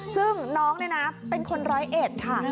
ซึ่งน้องเนี่ยนะเป็นคนร้อยเอ็ดค่ะ